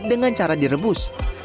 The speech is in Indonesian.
dengan cara direbus